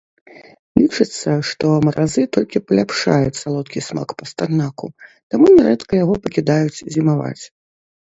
Лічыцца, што маразы толькі паляпшаюць салодкі смак пастарнаку, таму нярэдка яго пакідаюць зімаваць.